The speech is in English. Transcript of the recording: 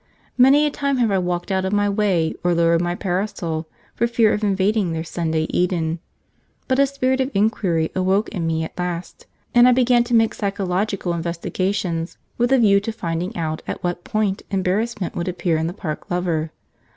Many a time have I walked out of my way or lowered my parasol, for fear of invading their Sunday Eden; but a spirit of inquiry awoke in me at last, and I began to make psychological investigations, with a view to finding out at what point embarrassment would appear in the Park Lover.